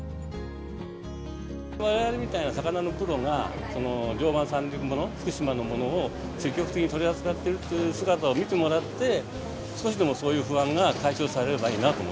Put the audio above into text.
われわれみたいな魚のプロが、常磐三陸もの、福島のものを積極的に取り扱っているという姿を見てもらって、少しでもそういう不安が解消されればいいなと。